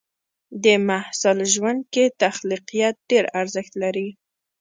د محصل ژوند کې تخلیقيت ډېر ارزښت لري.